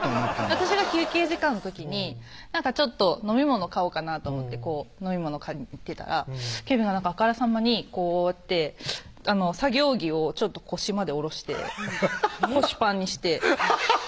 私が休憩時間の時にちょっと飲み物買おうかなと思ってこう飲み物買いに行ってたらケヴィンがあからさまにこうやって作業着をちょっと腰まで下ろして腰パンにしてハハハハッ